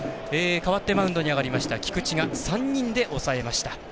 代わってマウンドに上がった菊地が３人で抑えました。